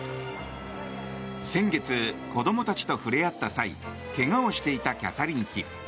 先月、子供たちと触れ合った際けがをしていたキャサリン妃。